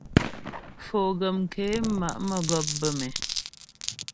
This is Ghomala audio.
Foguəm ké ma' mə́gɔp bə̌m é.